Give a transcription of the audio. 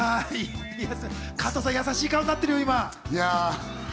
加藤さん、やさしい顔になってるよ、今。